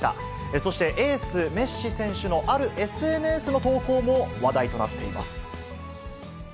そして、エース、メッシ選手のあるＳＮＳの投稿も話題となっています。